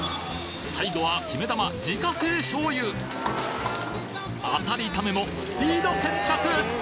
最後は決め球自家製醤油あさり炒めもスピード決着！